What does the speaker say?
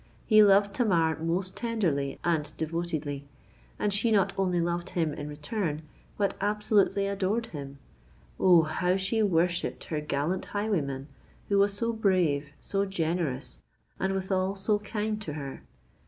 He loved Tamar most tenderly and devotedly; and she not only loved him in return—but absolutely adored him. Oh! how she worshipped her gallant highwayman, who was so brave—so generous—and withal so kind to her.